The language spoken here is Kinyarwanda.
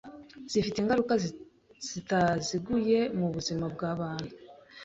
Zifite ingaruka zitaziguye mubuzima bwabantu.